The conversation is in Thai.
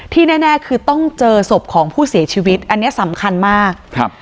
แน่แน่คือต้องเจอศพของผู้เสียชีวิตอันเนี้ยสำคัญมากครับ